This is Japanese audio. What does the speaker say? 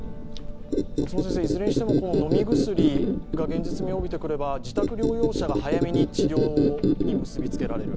いずれにしても飲み薬が現実味を帯びてくれば自宅療養者が早めに治療に結びつけられる。